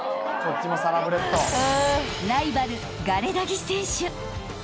［ライバル］